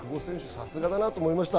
さすがだなと思いました。